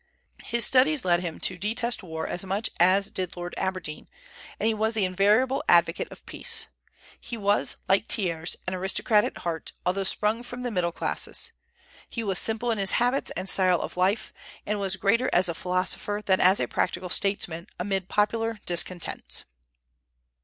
His studies led him to detest war as much as did Lord Aberdeen, and he was the invariable advocate of peace. He was, like Thiers, an aristocrat at heart, although sprung from the middle classes. He was simple in his habits and style of life, and was greater as a philosopher than as a practical statesman amid popular discontents.